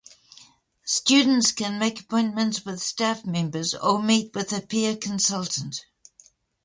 Students can make appointments with staff members, or meet with a peer consultant.